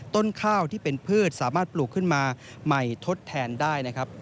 ต้นข้าวที่เป็นพืชสามารถปลูกขึ้นมาใหม่ทดแทนได้นะครับ